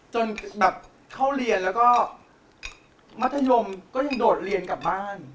จนแบบเข้าเรียนแล้วก็มัธยมก็ยังโดดเรียนกลับบ้าน